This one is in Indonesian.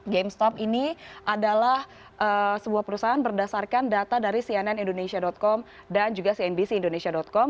gamestop ini adalah sebuah perusahaan berdasarkan data dari cnnindonesia com dan juga cnbc indonesia com